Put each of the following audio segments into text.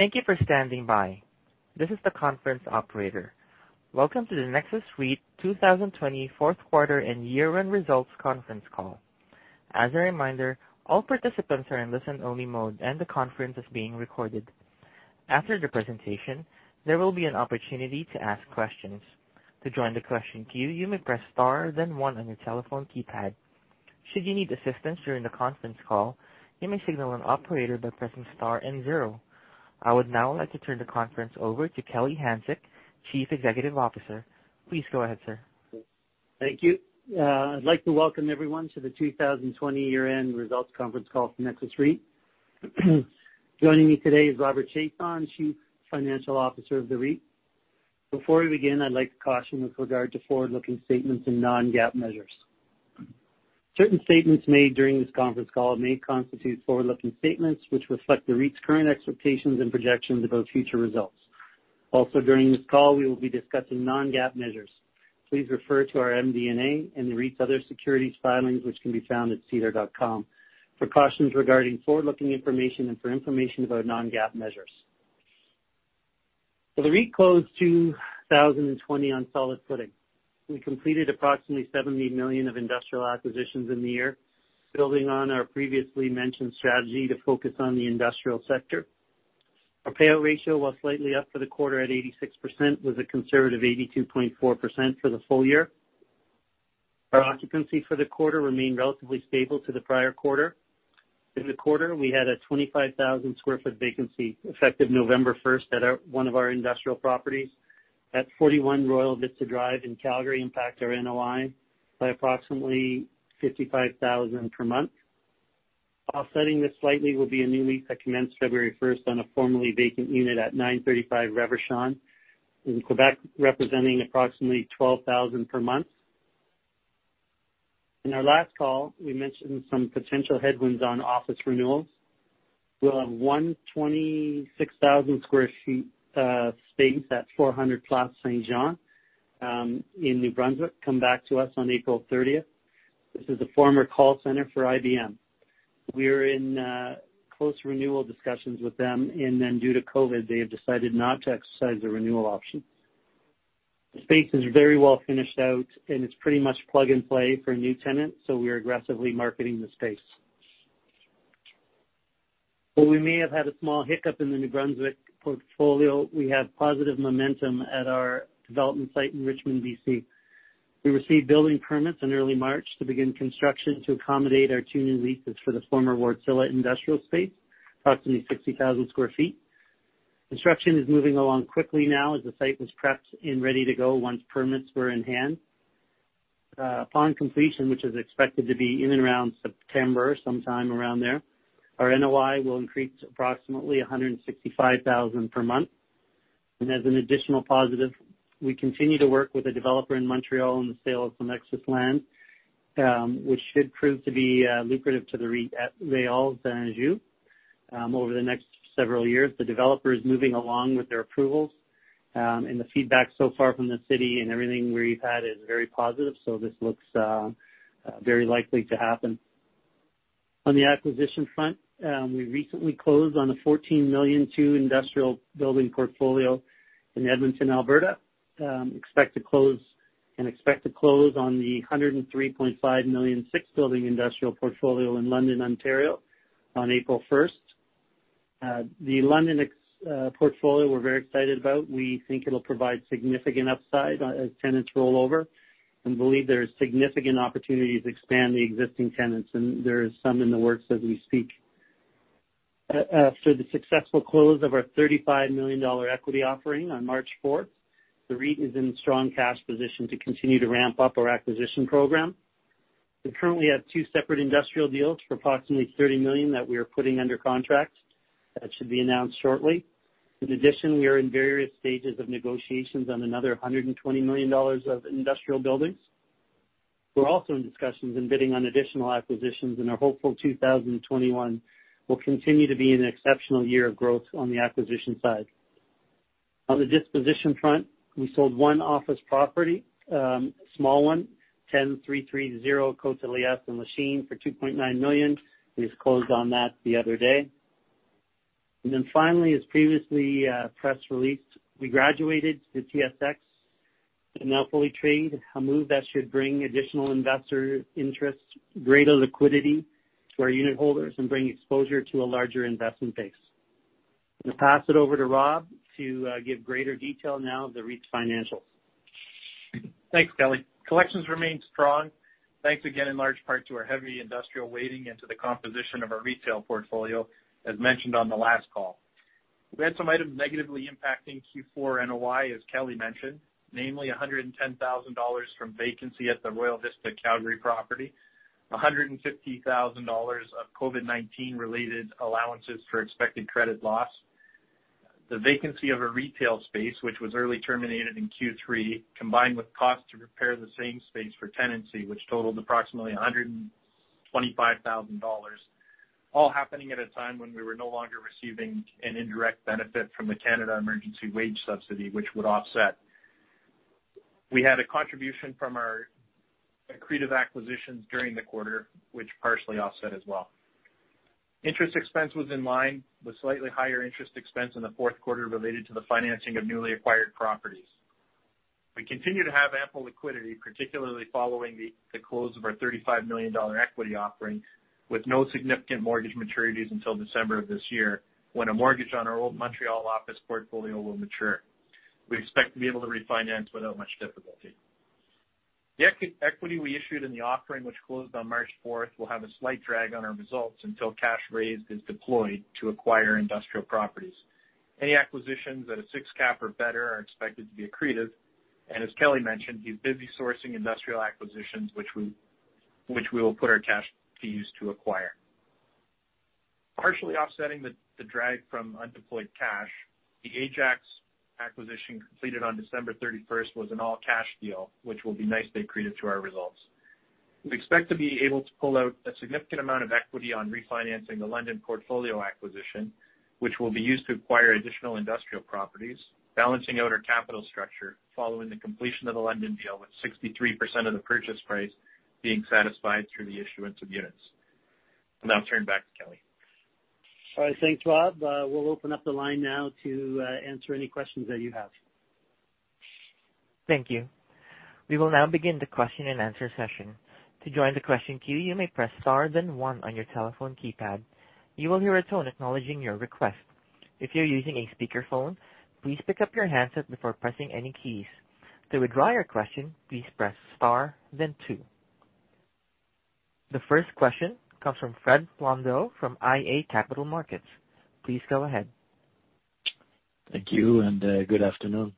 Welcome to the Nexus REIT 2020 Fourth Quarter and Year-End Results Conference Call. As a reminder all participants are in a listen only mode and the conference is being recorded. After the presentation, there will be an opportunity to ask questions. To join the question queue you may press star then one on your telephone keypad. Should you need assistance during the conference call you may signal an operator by pressing star and zero. I would now like to turn the conference over to Kelly Hanczyk, Chief Executive Officer. Please go ahead, sir. Thank you. I'd like to welcome everyone to the 2020 year-end Rresults conference call for Nexus REIT. Joining me today is Robert Chiasson, Chief Financial Officer of the REIT. Before we begin, I'd like to caution with regard to forward-looking statements and non-GAAP measures. Certain statements made during this conference call may constitute forward-looking statements which reflect the REIT's current expectations and projections about future results. Also, during this call, we will be discussing non-GAAP measures. Please refer to our MD&A and the REIT's other securities filings, which can be found at sedar.com, for cautions regarding forward-looking information and for information about non-GAAP measures. The REIT closed 2020 on solid footing. We completed approximately 70 million of industrial acquisitions in the year, building on our previously mentioned strategy to focus on the industrial sector. Our payout ratio was slightly up for the quarter at 86%, with a conservative 82.4% for the full year. Our occupancy for the quarter remained relatively stable to the prior quarter. In the quarter, we had a 25,000 sq ft vacancy effective November 1st at one of our industrial properties at 41 Royal Vista Drive in Calgary impact our NOI by approximately 55,000 per month. Offsetting this slightly will be a new lease that commenced February 1st on a formerly vacant unit at 935 Reverchon in Quebec, representing approximately 12,000 per month. In our last call, we mentioned some potential headwinds on office renewals. We'll have 126,000 sq ft space at 400 Place St. John in New Brunswick come back to us on April 30th. This is a former call center for IBM. We were in close renewal discussions with them. Due to COVID, they have decided not to exercise the renewal option. The space is very well finished out. It's pretty much plug-and-play for a new tenant. We are aggressively marketing the space. While we may have had a small hiccup in the New Brunswick portfolio, we have positive momentum at our development site in Richmond, B.C. We received building permits in early March to begin construction to accommodate our two new leases for the former Wärtsilä industrial space, approximately 60,000 sq ft. Construction is moving along quickly now as the site was prepped and ready to go once permits were in hand. Upon completion, which is expected to be in and around September, sometime around there, our NOI will increase approximately 165,000 per month. As an additional positive, we continue to work with a developer in Montreal on the sale of some Nexus land, which should prove to be lucrative to the REIT at Réal-Beaulieu over the next several years. The developer is moving along with their approvals, the feedback so far from the city and everything we've had is very positive, this looks very likely to happen. On the acquisition front, we recently closed on a 14 million two industrial building portfolio in Edmonton, Alberta, expect to close on the 103.5 million six-building industrial portfolio in London, Ontario on April 1st. The London portfolio we're very excited about. We think it'll provide significant upside as tenants roll over, believe there is significant opportunities to expand the existing tenants, there is some in the works as we speak. After the successful close of our 35 million dollar equity offering on March 4th, the REIT is in a strong cash position to continue to ramp up our acquisition program. We currently have two separate industrial deals for approximately 30 million that we are putting under contract. That should be announced shortly. In addition, we are in various stages of negotiations on another 120 million dollars of industrial buildings. We're also in discussions and bidding on additional acquisitions and are hopeful 2021 will continue to be an exceptional year of growth on the acquisition side. On the disposition front, we sold one office property, a small one, 10330 Côte-de-Liesse in Lachine for 2.9 million. We just closed on that the other day. Finally, as previously press released, we graduated to TSX and are now fully traded, a move that should bring additional investor interest, greater liquidity to our unit holders, and bring exposure to a larger investment base. I'm going to pass it over to Rob to give greater detail now of the REIT's financials. Thanks, Kelly. Collections remain strong, thanks again in large part to our heavy industrial weighting and to the composition of our retail portfolio, as mentioned on the last call. We had some items negatively impacting Q4 NOI, as Kelly mentioned, namely 110,000 dollars from vacancy at the Royal Vista Calgary property, 150,000 dollars of COVID-19 related allowances for expected credit loss, the vacancy of a retail space which was early terminated in Q3, combined with costs to repair the same space for tenancy, which totaled approximately 125,000 dollars, all happening at a time when we were no longer receiving an indirect benefit from the Canada Emergency Wage Subsidy, which would offset. We had a contribution from our accretive acquisitions during the quarter, which partially offset as well. Interest expense was in line with slightly higher interest expense in the fourth quarter related to the financing of newly acquired properties. We continue to have ample liquidity, particularly following the close of our 35 million dollar equity offering, with no significant mortgage maturities until December of this year, when a mortgage on our old Montreal office portfolio will mature. We expect to be able to refinance without much difficulty. The equity we issued in the offering, which closed on March 4th, will have a slight drag on our results until cash raised is deployed to acquire industrial properties. Any acquisitions at a 6% cap or better are expected to be accretive, as Kelly mentioned, he's busy sourcing industrial acquisitions, which we will put our cash to use to acquire. Partially offsetting the drag from undeployed cash, the Ajax acquisition completed on December 31st was an all-cash deal, which will be nicely accretive to our results. We expect to be able to pull out a significant amount of equity on refinancing the London portfolio acquisition, which will be used to acquire additional industrial properties, balancing out our capital structure following the completion of the London deal, with 63% of the purchase price being satisfied through the issuance of units. I'll now turn back to Kelly. All right. Thanks, Rob. We'll open up the line now to answer any questions that you have. Thank you. We will now begin the question and answer session. To join the question queue, you may press star then one on your telephone keypad. You will hear a tone acknowledging your request. If you're using a speakerphone, please pick up your handset before pressing any keys. To withdraw your question, please press star then two. The first question comes from Fred Plourde from iA Capital Markets. Please go ahead. Thank you, and good afternoon.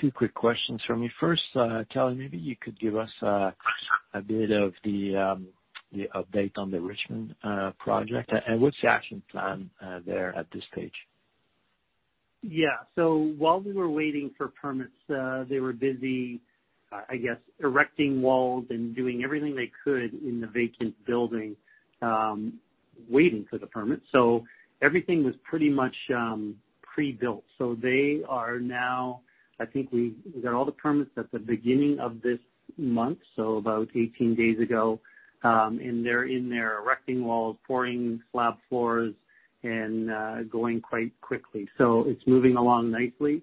Two quick questions from me. First, Kelly, maybe you could give us a bit of the update on the Richmond project, and what's the action plan there at this stage? Yeah. While we were waiting for permits, they were busy, I guess, erecting walls and doing everything they could in the vacant building, waiting for the permit. Everything was pretty much pre-built. I think we got all the permits at the beginning of this month, so about 18 days ago. They're in there erecting walls, pouring slab floors, and going quite quickly. It's moving along nicely.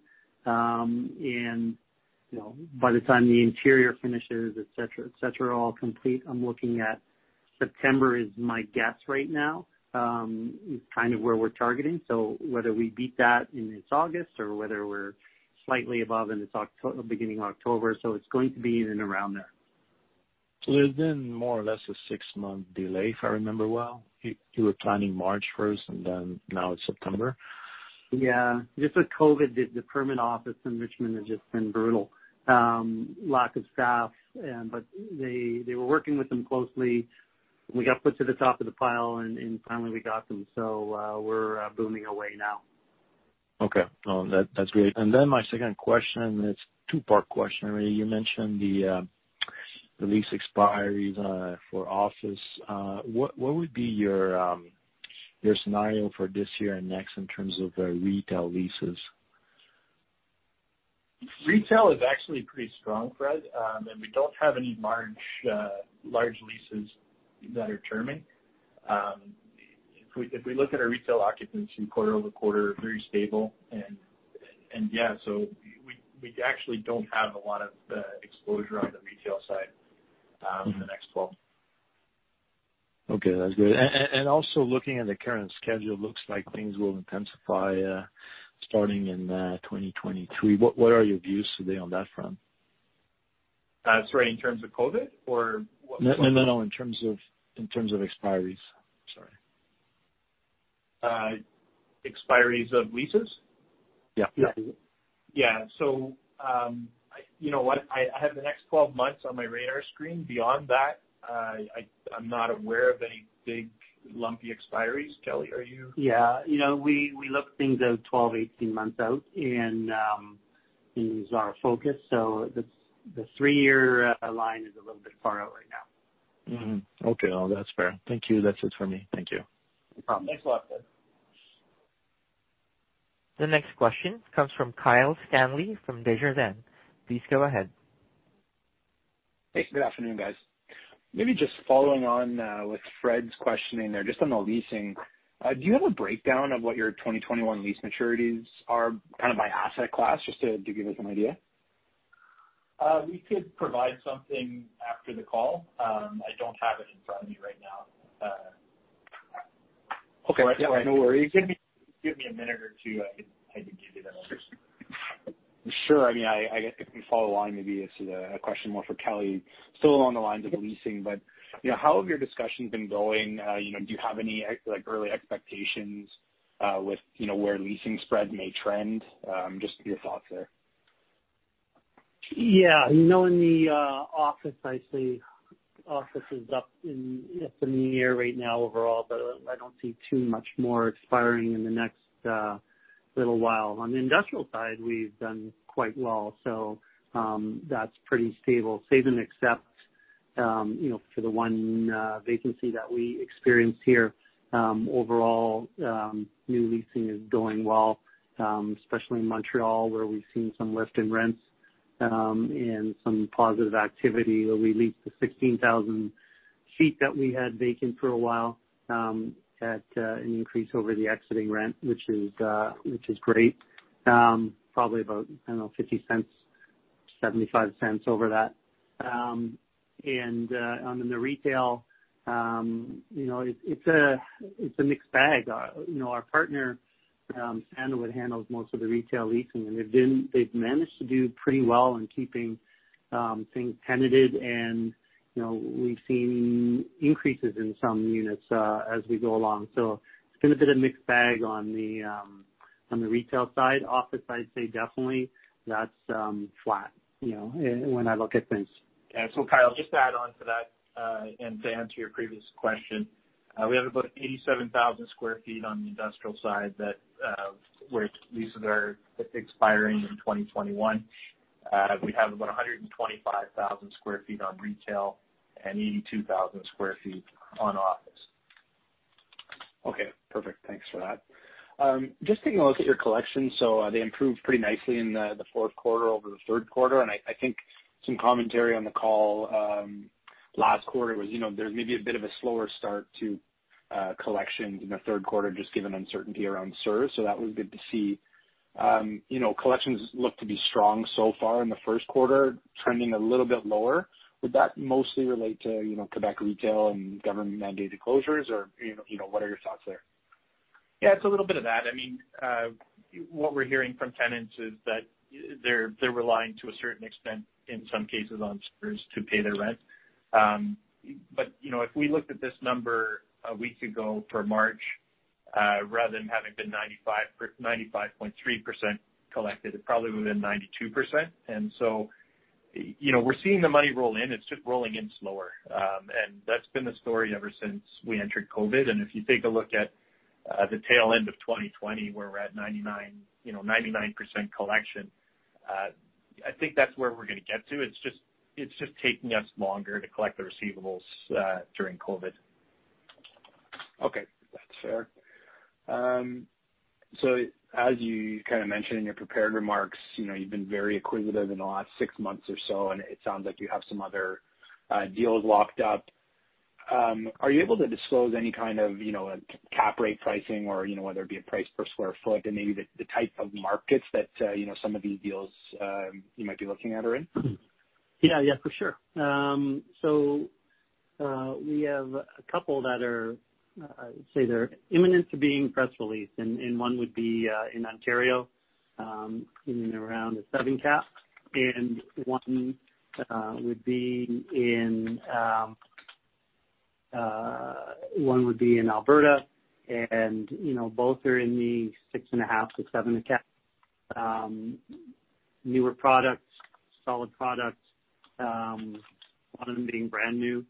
By the time the interior finishes, et cetera, et cetera, are all complete, I'm looking at September is my guess right now, kind of where we're targeting. Whether we beat that and it's August or whether we're slightly above and it's beginning of October, so it's going to be in and around there. It's been more or less a six-month delay, if I remember well. You were planning March first, and then now it's September. Yeah. Just with COVID, the permit office in Richmond has just been brutal. Lack of staff, but they were working with them closely. We got put to the top of the pile and finally we got them. We're booming away now. Okay. No, that's great. My second question, it's two-part question, really. You mentioned the lease expiries for office. What would be your scenario for this year and next in terms of retail leases? Retail is actually pretty strong, Fred, and we don't have any large leases that are terming. If we look at our retail occupancy quarter-over-quarter, very stable. Yeah, we actually don't have a lot of exposure on the retail side in the next 12 months. Okay, that's good. Also looking at the current schedule, looks like things will intensify starting in 2023. What are your views today on that front? Sorry, in terms of COVID? No, in terms of expiries. Sorry. Expiries of leases? Yeah. Yeah. You know what? I have the next 12 months on my radar screen. Beyond that, I'm not aware of any big lumpy expiries. Kelly, are you? Yeah. We look things out 12, 18 months out, and is our focus, so the three-year line is a little bit far out right now. Okay, well, that's fair. Thank you. That's it for me. Thank you. No problem. Thanks a lot, Fred. The next question comes from Kyle Stanley from Desjardins. Please go ahead. Hey, good afternoon, guys. Maybe just following on with Fred's questioning there, just on the leasing, do you have a breakdown of what your 2021 lease maturities are kind of by asset class, just to give us an idea? We could provide something after the call. I don't have it in front of me right now. Okay. Yeah, no worries. Give me a minute or two. I can give you that information. Sure. If we follow along, maybe this is a question more for Kelly. Still along the lines of leasing, how have your discussions been going? Do you have any early expectations with where leasing spreads may trend? Just your thoughts there. Yeah. In the office, I'd say office is up in the air right now overall, I don't see too much more expiring in the next little while. On the industrial side, we've done quite well, that's pretty stable, save and except for the one vacancy that we experienced here, overall, new leasing is going well, especially in Montreal, where we've seen some lift in rents and some positive activity, where we leased the 16,000 ft that we had vacant for a while at an increase over the exiting rent, which is great. Probably about, I don't know, 0.50, 0.75 over that. In the retail, it's a mixed bag. Our partner, Sandalwood, handles most of the retail leasing. They've managed to do pretty well in keeping things tenanted and we've seen increases in some units as we go along. It's been a bit of mixed bag on the retail side. Office, I'd say definitely that's flat, when I look at things. Kyle, just to add on to that, and to answer your previous question, we have about 87,000 sq ft on the industrial side that, where leases are expiring in 2021. We have about 125,000 sq ft on retail and 82,000 sq ft on office. Okay. Perfect. Thanks for that. Just taking a look at your collections, so they improved pretty nicely in the fourth quarter over the third quarter, and I think some commentary on the call last quarter was there may be a bit of a slower start to collections in the third quarter just given uncertainty around CERB, so that was good to see. Collections look to be strong so far in the first quarter, trending a little bit lower. Would that mostly relate to Quebec retail and government-mandated closures or what are your thoughts there? Yeah, it's a little bit of that. What we're hearing from tenants is that they're relying to a certain extent, in some cases, on CERB to pay their rent. If we looked at this number a week ago for March, rather than having been 95.3% collected, it probably would've been 92%. We're seeing the money roll in. It's just rolling in slower. That's been the story ever since we entered COVID. If you take a look at the tail end of 2020, where we're at 99% collection, I think that's where we're going to get to. It's just taking us longer to collect the receivables during COVID. Okay. That's fair. As you kind of mentioned in your prepared remarks, you've been very acquisitive in the last six months or so, and it sounds like you have some other deals locked up. Are you able to disclose any kind of cap rate pricing or whether it be a price per square foot and maybe the type of markets that some of these deals you might be looking at are in? Yeah. For sure. We have a couple that are, I would say, they're imminent to being press released, and one would be in Ontario, in and around the 7% cap, and one would be in Alberta, and both are in the 6.5%-7% cap. Newer products, solid products, one of them being brand new.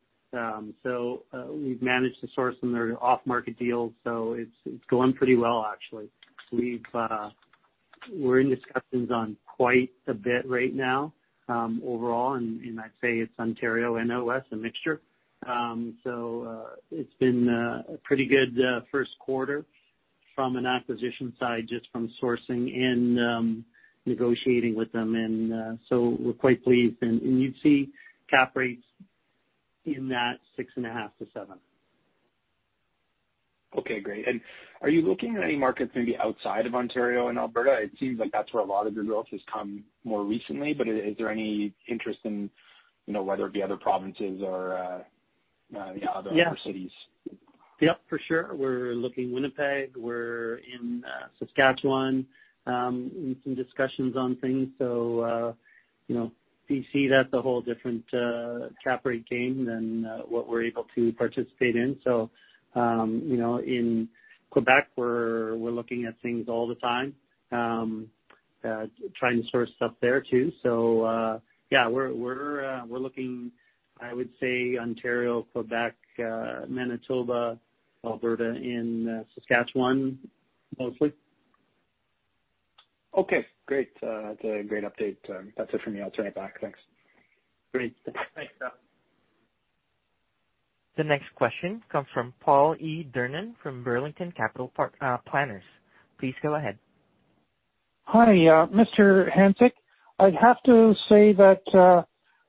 We've managed to source some off-market deals, so it's going pretty well, actually. We're in discussions on quite a bit right now overall, and I'd say it's Ontario and OS, a mixture. It's been a pretty good first quarter from an acquisition side, just from sourcing and negotiating with them, and so we're quite pleased. You'd see cap rates in that 6.5%-7%. Okay, great. Are you looking at any markets maybe outside of Ontario and Alberta? It seems like that's where a lot of your growth has come more recently, but is there any interest in whether it be other provinces or other cities? Yeah, for sure. We're looking Winnipeg. We're in Saskatchewan, in some discussions on things. B.C., that's a whole different cap rate game than what we're able to participate in. In Quebec, we're looking at things all the time, trying to source stuff there, too. Yeah, we're looking, I would say Ontario, Quebec, Manitoba, Alberta, and Saskatchewan mostly. Okay, great. That's a great update. That's it for me. I'll turn it back. Thanks. Great. Thanks. The next question comes from Paul E. Durnan from Burlington Capital Planners. Please go ahead. Hi, Mr. Hanczyk. I'd have to say that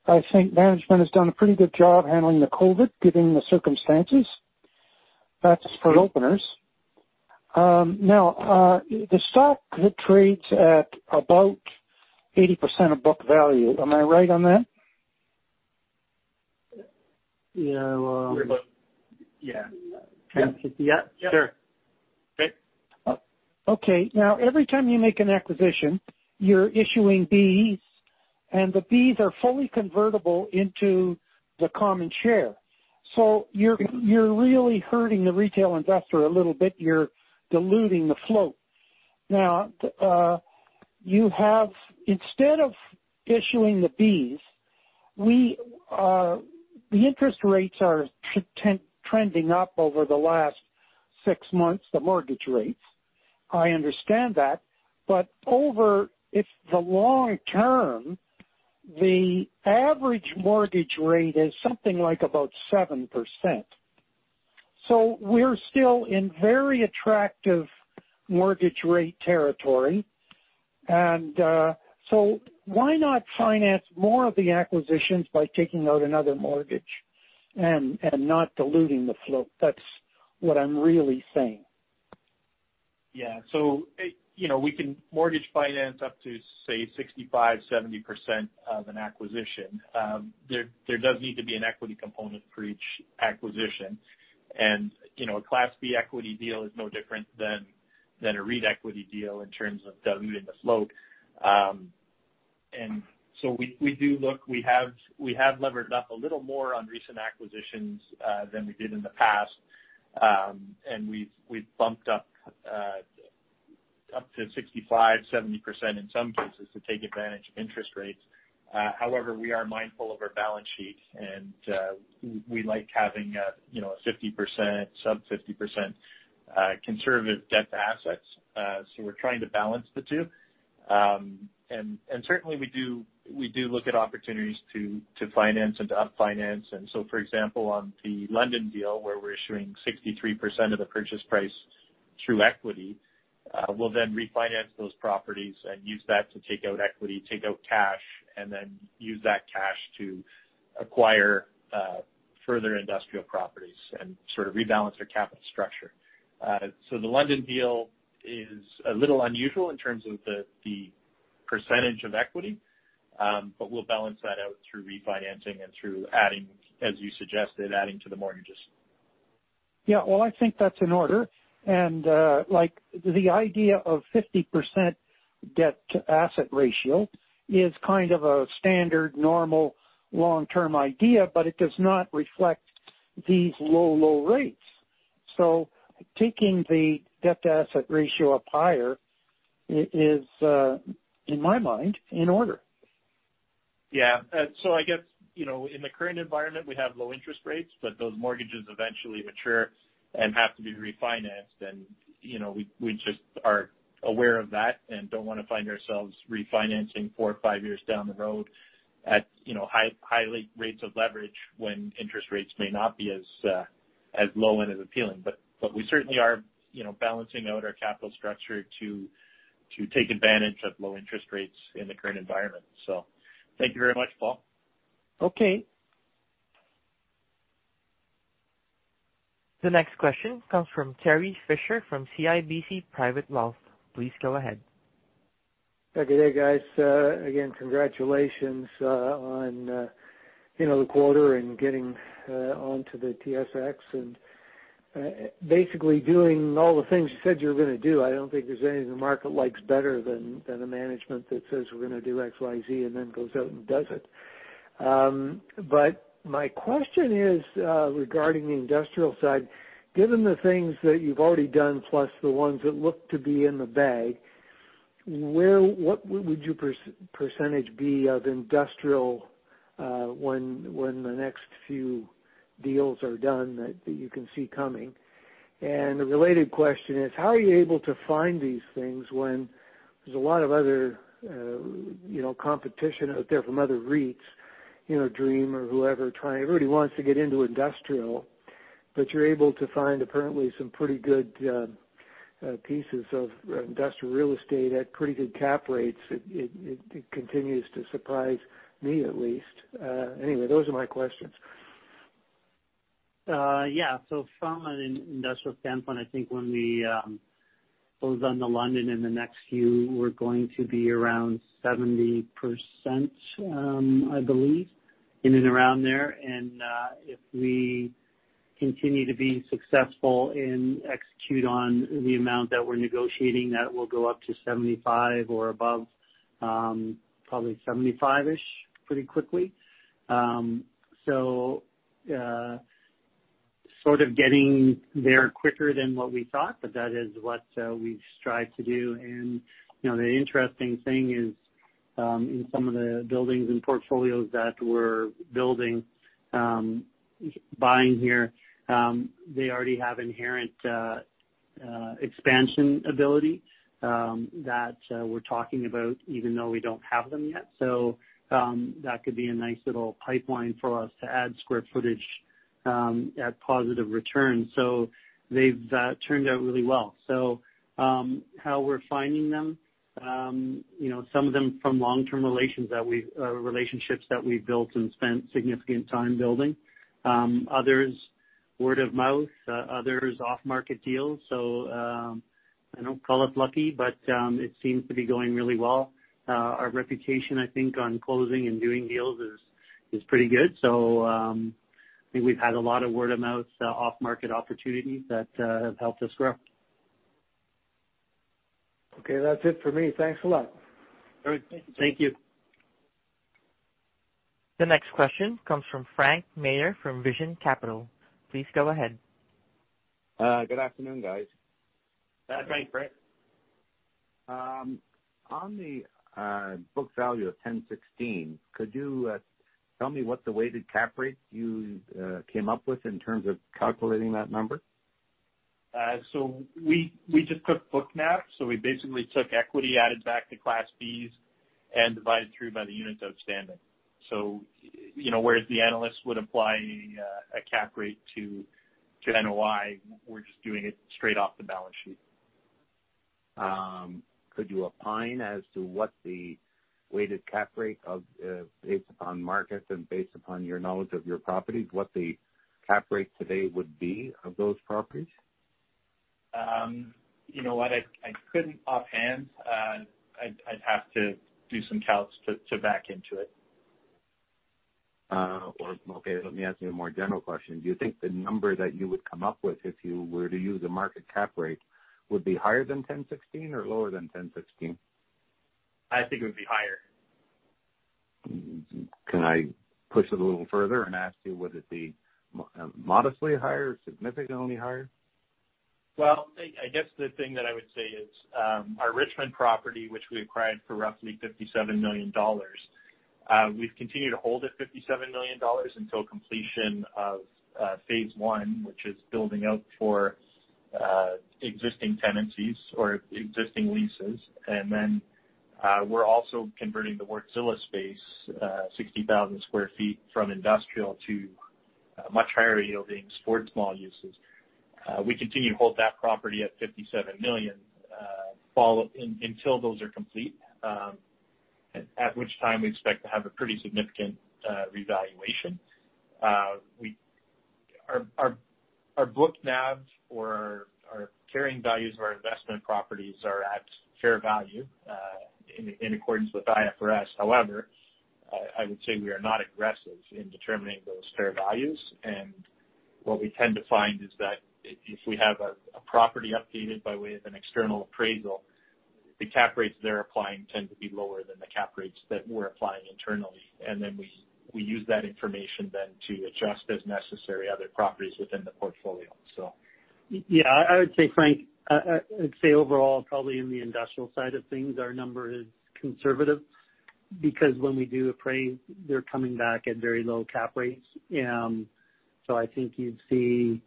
I think management has done a pretty good job handling the COVID, given the circumstances. That's for openers. The stock trades at about 80% of book value. Am I right on that? Yeah. We're about, yeah. Yeah. Sure. Great. Okay. Every time you make an acquisition, you're issuing Bs, and the Bs are fully convertible into the common share. You're really hurting the retail investor a little bit. You're diluting the float. Instead of issuing the Bs, the interest rates are trending up over the last six months, the mortgage rates. I understand that, but over the long term, the average mortgage rate is something like about 7%. We're still in very attractive mortgage rate territory. Why not finance more of the acquisitions by taking out another mortgage and not diluting the float? That's what I'm really saying. Yeah. We can mortgage finance up to, say, 65%, 70% of an acquisition. There does need to be an equity component for each acquisition. A Class B equity deal is no different than a REIT equity deal in terms of diluting the float. We do look, we have levered up a little more on recent acquisitions than we did in the past. We've bumped up to 65%, 70% in some cases to take advantage of interest rates. However, we are mindful of our balance sheet, and we like having a 50%, sub 50% conservative debt to assets. We're trying to balance the two. Certainly we do look at opportunities to finance and to up finance. For example, on the London deal, where we're issuing 63% of the purchase price through equity, we'll then refinance those properties and use that to take out equity, take out cash, and then use that cash to acquire further industrial properties and sort of rebalance our capital structure. The London deal is a little unusual in terms of the percentage of equity, but we'll balance that out through refinancing and through adding, as you suggested, adding to the mortgages. Yeah. Well, I think that's in order. The idea of 50% debt to asset ratio is kind of a standard normal long-term idea, but it does not reflect these low rates. Taking the debt to asset ratio up higher is, in my mind, in order. I guess, in the current environment, we have low interest rates, but those mortgages eventually mature and have to be refinanced. We just are aware of that and don't want to find ourselves refinancing four or five years down the road at high rates of leverage when interest rates may not be as low and as appealing. We certainly are balancing out our capital structure to take advantage of low interest rates in the current environment. Thank you very much, Paul. Okay. The next question comes from Terry Fisher from CIBC Private Wealth. Please go ahead. Good day, guys. Congratulations on the quarter and getting onto the TSX and basically doing all the things you said you were going to do. I don't think there's anything the market likes better than a management that says we're going to do X, Y, Z and then goes out and does it. My question is regarding the industrial side. Given the things that you've already done, plus the ones that look to be in the bag, what would your percentage be of industrial when the next few deals are done that you can see coming? The related question is, how are you able to find these things when there's a lot of other competition out there from other REITs, DREAM or whoever, everybody wants to get into industrial, but you're able to find apparently some pretty good pieces of industrial real estate at pretty good cap rates. It continues to surprise me, at least. Those are my questions. Yeah. From an industrial standpoint, I think when we close on the London in the next few, we're going to be around 70%, I believe, in and around there. If we continue to be successful and execute on the amount that we're negotiating, that will go up to 75% or above, probably 75%-ish pretty quickly. Sort of getting there quicker than what we thought, but that is what we strive to do. The interesting thing is in some of the buildings and portfolios that we're building, buying here they already have inherent expansion ability that we're talking about even though we don't have them yet. That could be a nice little pipeline for us to add square footage at positive returns. They've turned out really well. How we're finding them some of them from long-term relationships that we've built and spent significant time building. Others, word of mouth, others off-market deals. I don't call us lucky, but it seems to be going really well. Our reputation, I think on closing and doing deals is pretty good. I think we've had a lot of word of mouth off-market opportunities that have helped us grow. Okay. That's it for me. Thanks a lot. All right. Thank you. The next question comes from Frank Mayer from Vision Capital. Please go ahead. Good afternoon, guys. Thanks, Frank. On the book value of 10.16, could you tell me what the weighted cap rate you came up with in terms of calculating that number? We just took book nav. We basically took equity, added back the Class B, and divided through by the units outstanding. Whereas the analysts would apply a cap rate to NOI, we're just doing it straight off the balance sheet. Could you opine as to what the weighted cap rate based upon market and based upon your knowledge of your properties, what the cap rate today would be of those properties? You know what? I couldn't offhand. I'd have to do some calcs to back into it. Okay. Let me ask you a more general question. Do you think the number that you would come up with if you were to use a market cap rate would be higher than 10.16 or lower than 10.16? I think it would be higher. Can I push it a little further and ask you, would it be modestly higher, significantly higher? Well, I guess the thing that I would say is, our Richmond property, which we acquired for roughly 57 million dollars, we've continued to hold at 57 million dollars until completion of Phase 1, which is building out for existing tenancies or existing leases. Then, we're also converting the Wärtsilä space, 60,000 sq ft from industrial to much higher-yielding strip mall uses. We continue to hold that property at 57 million until those are complete, at which time we expect to have a pretty significant revaluation. Our book navs or our carrying values of our investment properties are at fair value, in accordance with IFRS. However, I would say we are not aggressive in determining those fair values. What we tend to find is that if we have a property updated by way of an external appraisal, the cap rates they're applying tend to be lower than the cap rates that we're applying internally. We use that information then to adjust as necessary other properties within the portfolio. Yeah, I would say, Frank, I'd say overall, probably in the industrial side of things, our number is conservative because when we do appraise, they're coming back at very low cap rates. I think you'd see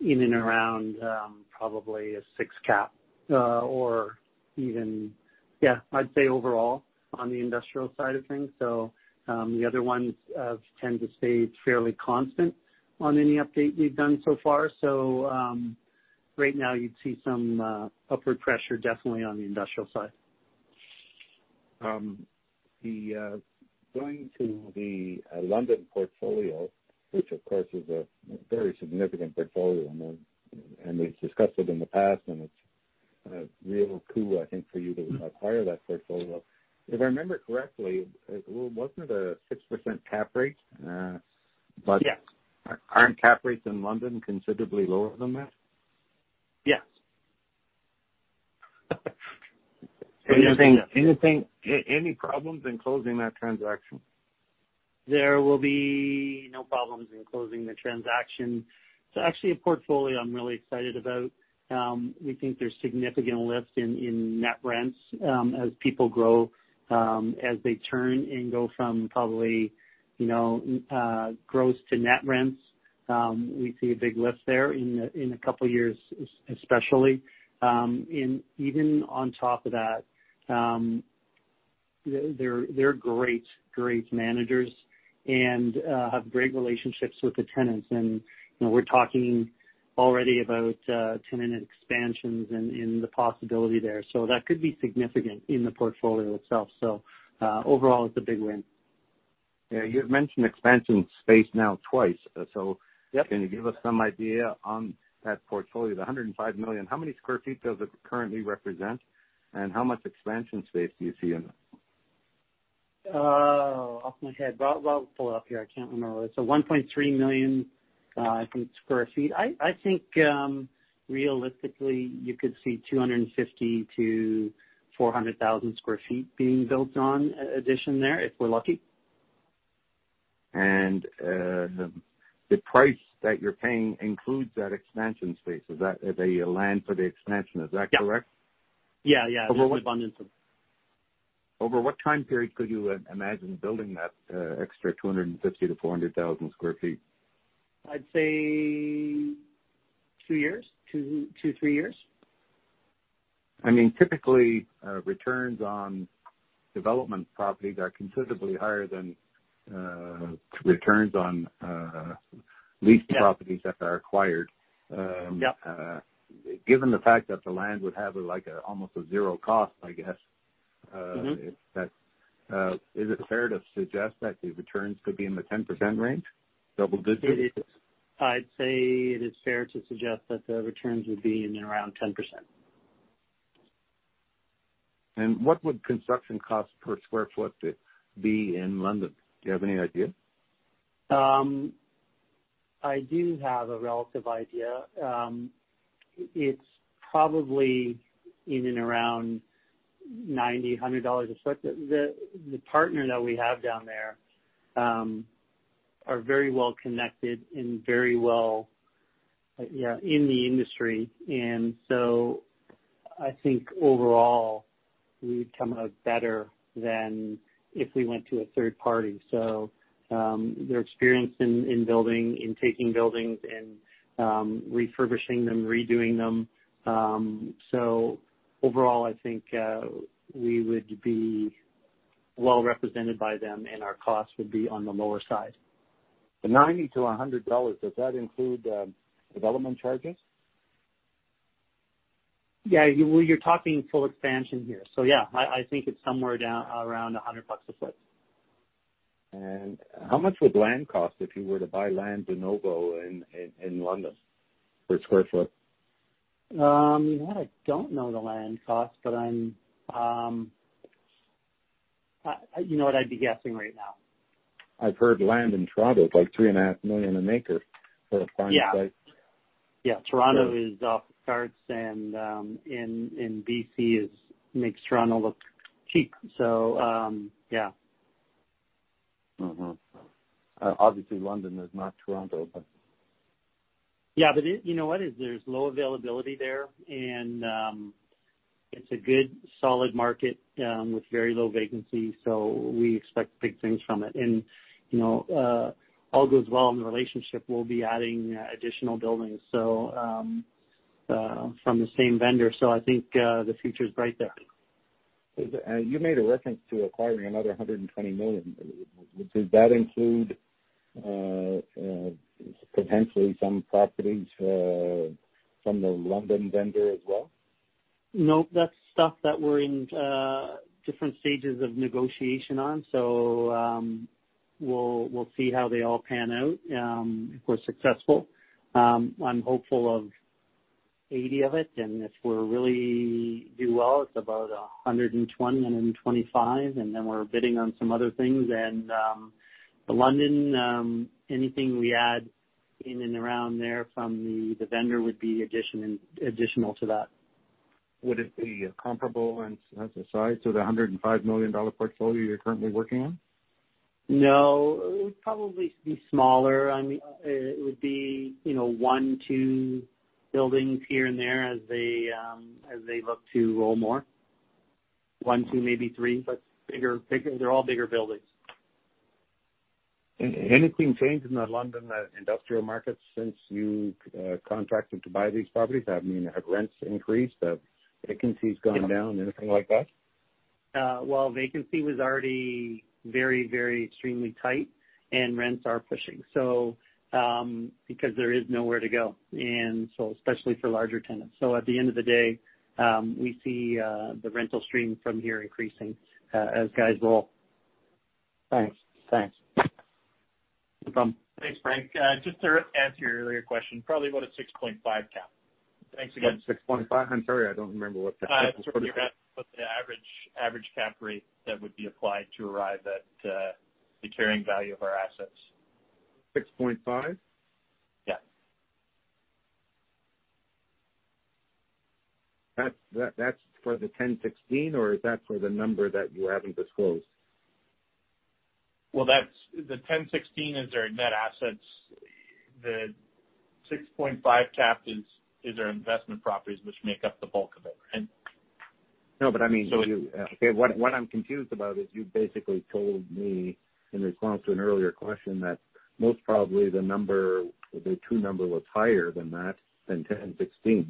in and around probably a 6% cap. Yeah, I'd say overall on the industrial side of things. The other ones tend to stay fairly constant on any update we've done so far. Right now you'd see some upward pressure definitely on the industrial side. Going to the London portfolio, which of course is a very significant portfolio, and we've discussed it in the past, and it's real cool, I think, for you to acquire that portfolio. If I remember correctly, wasn't it a 6% cap rate? Yes. Aren't cap rates in London considerably lower than that? Yes. Any problems in closing that transaction? There will be no problems in closing the transaction. It's actually a portfolio I'm really excited about. We think there's significant lift in net rents as people grow, as they turn and go from probably gross to net rents. We see a big lift there in a couple of years especially. Even on top of that, they're great managers and have great relationships with the tenants. We're talking already about tenant expansions and the possibility there. That could be significant in the portfolio itself. Overall, it's a big win. Yeah. You've mentioned expansion space now twice. Yep. Can you give us some idea on that portfolio? The 105 million, how many sq ft does it currently represent, and how much expansion space do you see in it? Off my head. Well, I'll pull it up here. I can't remember. It's 1.3 million, I think, square feet. I think, realistically, you could see 250,000 sq ft-400,000 sq ft being built on addition there if we're lucky. The price that you're paying includes that expansion space, the land for the expansion, is that correct? Yeah. Includes the land. Over what time period could you imagine building that extra 250,000 sq ft-400,000 sq ft? I'd say two years. Two, three years. Typically, returns on development properties are considerably higher than returns on leased properties that are acquired. Yep. Given the fact that the land would have almost a zero cost. Is it fair to suggest that the returns could be in the 10% range, double digits? It is. I'd say it is fair to suggest that the returns would be in and around 10%. What would construction cost per square foot be in London? Do you have any idea? I do have a relative idea. It's probably in and around 90 dollars, CAD 100 a square foot. The partner that we have down there are very well connected and very well in the industry. I think overall, we would come out better than if we went to a third party. Their experience in taking buildings and refurbishing them, redoing them. Overall, I think we would be well-represented by them, and our costs would be on the lower side. The 90-100 dollars, does that include development charges? Yeah. Well, you're talking full expansion here. Yeah, I think it's somewhere around 100 bucks a foot. How much would land cost if you were to buy land de novo in London per square foot? That I don't know the land cost. You know what? I'd be guessing right now. I've heard land in Toronto is like 3.5 million an acre for a prime site. Yeah. Toronto is off the charts, B.C. makes Toronto look cheap. Yeah. Obviously, London is not Toronto. You know what? There's low availability there, and it's a good, solid market with very low vacancy, so we expect big things from it. All goes well in the relationship, we'll be adding additional buildings from the same vendor. I think the future's bright there. You made a reference to acquiring another 120 million. Does that include potentially some properties from the London vendor as well? No, that's stuff that we're in different stages of negotiation on. We'll see how they all pan out if we're successful. I'm hopeful of 80 of it, and if we really do well, it's about 120, 125, and then we're bidding on some other things. The London, anything we add in and around there from the vendor would be additional to that. Would it be comparable in size to the 105 million dollar portfolio you're currently working on? It would probably be smaller. It would be one, two buildings here and there as they look to roll more. One, two, maybe three, but they're all bigger buildings. Anything change in the London industrial market since you contracted to buy these properties? Have rents increased? Have vacancies gone down? Anything like that? Well, vacancy was already very extremely tight, and rents are pushing. There is nowhere to go, and so especially for larger tenants. At the end of the day, we see the rental stream from here increasing as guys roll. Thanks. No problem. Thanks, Frank. Just to answer your earlier question, probably about a 6.5% cap. Thanks again. 6.5% cap? The average cap rate that would be applied to arrive at the carrying value of our assets. 6.5% cap? Yes. That's for the 10.16, or is that for the number that you haven't disclosed? Well, the 10.16 is our net assets. The 6.5% cap is our investment properties, which make up the bulk of it, right? No, but I mean- So you- What I'm confused about is you basically told me in response to an earlier question that most probably the true number was higher than that, than 10.16.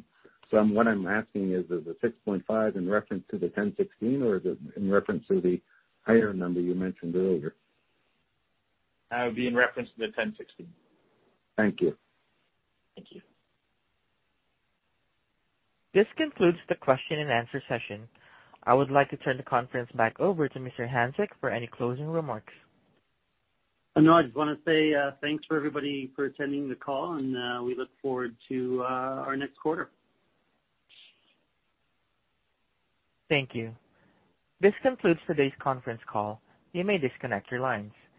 What I'm asking is the 6.5% cap in reference to the 10.16, or is it in reference to the higher number you mentioned earlier? That would be in reference to the 10.16. Thank you. Thank you. This concludes the question and answer session. I would like to turn the conference back over to Mr. Hanczyk for any closing remarks. I just want to say thanks for everybody for attending the call, and we look forward to our next quarter. Thank you. This concludes today's conference call. You may disconnect your lines.